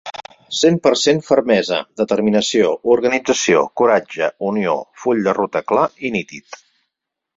Cent per cent Fermesa, determinació, organització, coratge, unió, full de ruta clar i nítid.